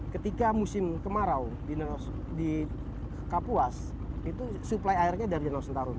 ketika musim kemarau di kapuas itu suplai airnya dari danau sentarung